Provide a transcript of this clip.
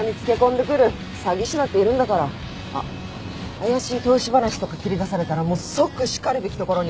怪しい投資話とか切り出されたら即しかるべきところに。